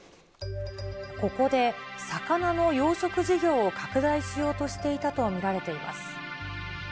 ここで魚の養殖事業を拡大しようとしていたと見られています。